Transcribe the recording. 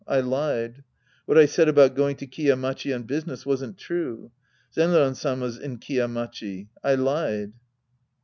I lied. What I said about going to Kiya Machi on business wasn't true. Zenran Sama's in Kiya Machi. I lied.